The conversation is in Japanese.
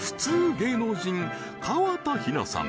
芸能人河田陽菜さん